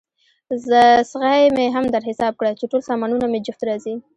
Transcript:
څغۍ مې هم در حساب کړه، چې ټول سامانونه مې جفت راځي.